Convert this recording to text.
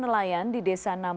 ada yang di lagu